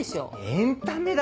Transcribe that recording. エンタメだろ？